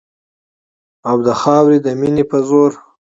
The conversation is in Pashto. او د خاورې د مینې په زور